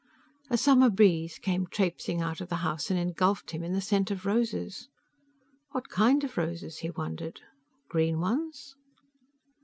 A summer breeze came traipsing out of the house and engulfed him in the scent of roses. What kind of roses? he wondered. Green ones?